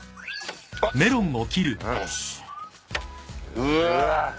うわ。